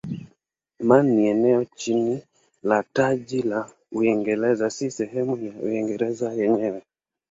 Man ni eneo chini ya taji la Uingereza si sehemu ya Uingereza yenyewe.